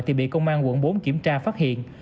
thì bị công an quận bốn kiểm tra phát hiện